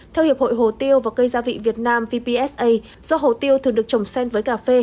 theo hiệp hội hồ tiêu và cây gia vị việt nam vpsa do hồ tiêu thường được trồng sen với cà phê